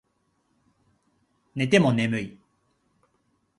寝ても眠い